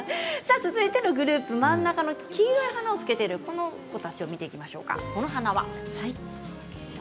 真ん中の黄色い花をつけているこの子たちを見ていきましょう。